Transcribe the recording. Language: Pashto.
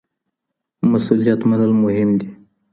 مسووليت منل مهم دي.